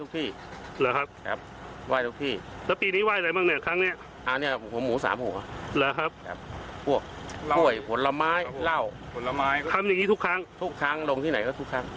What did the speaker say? ทำอย่างนี้ทุกครั้งลงที่ไหนก็ทุกครั้ง